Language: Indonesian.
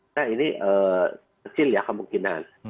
nah ini kecil ya kemungkinan